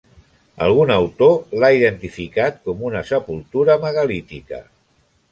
Algun autor l'ha identificat com una sepultura megalítica.